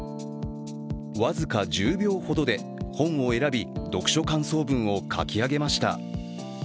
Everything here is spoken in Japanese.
僅か１０秒ほどで本を選び、読書感想文を書き上げました。